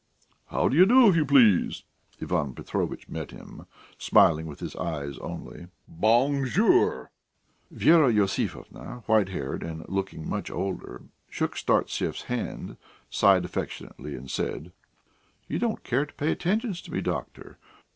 "How do you do, if you please?" Ivan Petrovitch met him, smiling with his eyes only. "Bongjour." Vera Iosifovna, white haired and looking much older, shook Startsev's hand, sighed affectedly, and said: "You don't care to pay attentions to me, doctor.